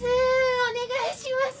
お願いします。